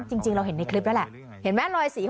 จริงมาเห็นในคลิปนั้นแหละ